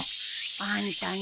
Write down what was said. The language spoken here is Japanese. あんたね。